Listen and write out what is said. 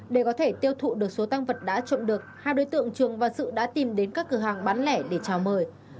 để có thể tiêu thụ được số tăng vật đã trộm được hai đối tượng trường và sự đã tìm đến các cửa hàng bán lẻ để chào mời